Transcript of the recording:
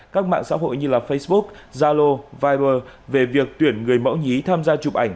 các mạng xã hội như facebook zalo viber về việc tuyển người mẫu nhí tham gia chụp ảnh